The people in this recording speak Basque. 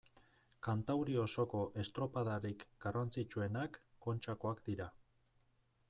Kantauri osoko estropadarik garrantzitsuenak Kontxakoak dira.